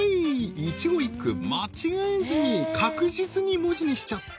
一語一句間違えずに確実に文字にしちゃった